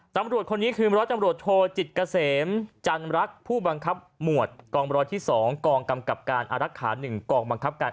ตำรวจคนนี้คือมรถตำรวจโทจิตเกษมจันรักผู้บังคับหมวดกองมรถที่สองกองกำกับการอรักษาหนึ่ง